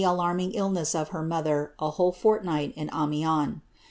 alarming illness of her mother a whole fortnight at Amiens.